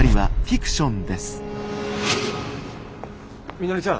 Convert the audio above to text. みのりちゃん。